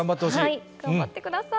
頑張ってください。